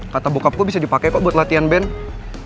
kata bokap gue bisa dipake kok buat latihan band